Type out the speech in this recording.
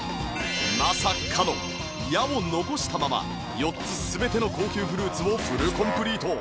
まさかの矢を残したまま４つ全ての高級フルーツをフルコンプリート！